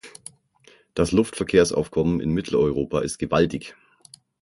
Das Luftverkehrsaufkommen in Mitteleuropa ist gewaltig.